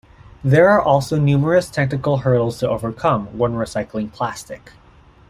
There are also numerous technical hurdles to overcome when recycling plastic.